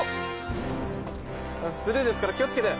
素手ですから気を付けて。